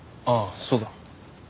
ああそうだ。